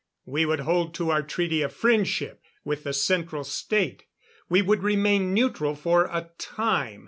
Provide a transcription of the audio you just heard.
We would hold to our treaty of friendship with the Central State. We would remain neutral for a time.